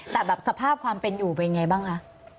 แต่แบบสภาพความเป็นอยู่เป็นไงบ้างคะ